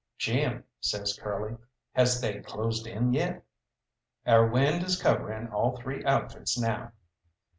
"Jim," says Curly, "has they closed in yet?" "Our wind is covering all three outfits now."